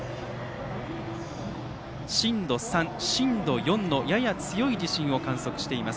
震度３、震度４のやや強い地震を観測しています。